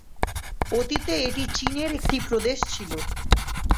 অতীতে এটি চীনের একটি প্রদেশ ছিল।